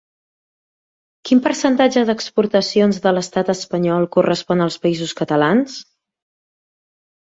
Quin percentatge d'exportacions de l'Estat espanyol correspon als Països Catalans?